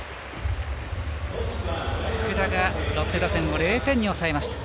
福田がロッテ打線を０点に抑えました。